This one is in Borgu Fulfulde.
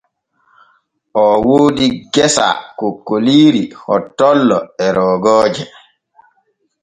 Oo woodi gesa kokkoliiri, hottollo e roogooje.